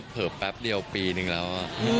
เพราะแป๊บเดี่ยวปีนึงแล้วอะ